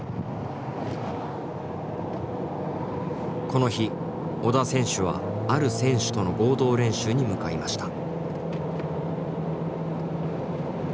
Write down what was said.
この日織田選手はある選手との合同練習に向かいました。